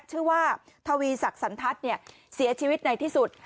ชื่อว่าทวีสักสันทัศน์เนี่ยเสียชีวิตในที่สุด